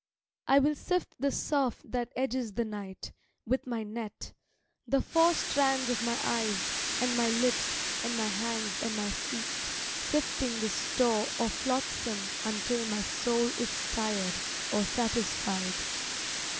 I will sift the surf that edges the night, with my net, the four Strands of my eyes and my lips and my hands and my feet, sifting the store Of flotsam until my soul is tired or satisfied.